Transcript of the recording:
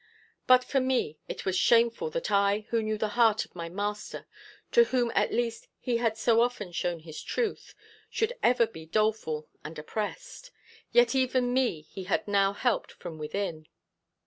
But for me, it was shameful that I, who knew the heart of my Master, to whom at least he had so often shown his truth, should ever be doleful and oppressed. Yet even me he had now helped from within.